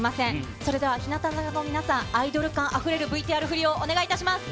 それでは、日向坂の皆さん、アイドル感あふれるＶＴＲ振りをお願いします。